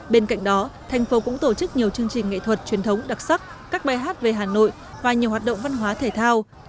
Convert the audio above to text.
bên cạnh đó thành phố cũng tổ chức nhiều chương trình nghệ thuật truyền thống đặc sắc các bài hát về hà nội và nhiều hoạt động văn hóa thể thao